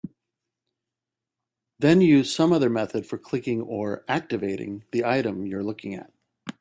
Then use some other method for clicking or "activating" the item you're looking at.